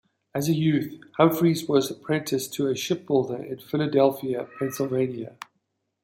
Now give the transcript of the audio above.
As a youth, Humphreys was apprenticed to a shipbuilder in Philadelphia, Pennsylvania.